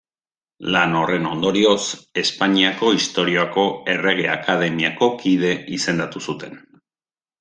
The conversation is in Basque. Lan horren ondorioz Espainiako Historiako Errege Akademiako kide izendatu zuten.